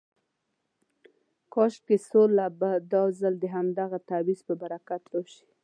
کاشکې سوله به دا ځل د همدغه تعویض په برکت راشي.